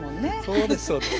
そうですそうです。